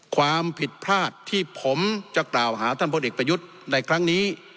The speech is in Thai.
ความผิดพลาดที่ผมจะกล่าวหาท่านพลเอกประยุทธ์ในครั้งนี้